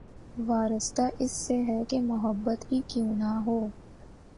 وارستہ اس سے ہیں کہ‘ محبت ہی کیوں نہ ہو